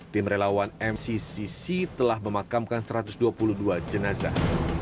tim relawan mcc telah memakamkan satu ratus dua puluh dua jenazah